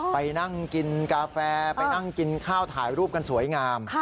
ไปนั่งกินกาแฟไปนั่งกินข้าวถ่ายรูปกันสวยงาม